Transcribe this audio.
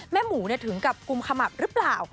หมูถึงกับกุมขมับหรือเปล่า